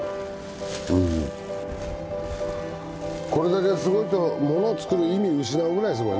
これだけすごいともの作る意味失うぐらいすごいな。